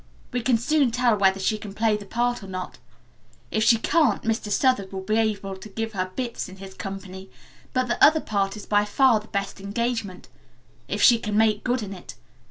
We can soon tell whether she can play the part or not. If she can't, Mr. Southard will be able to give her 'bits' in his company, but the other part is by far the best engagement if she can make good in it.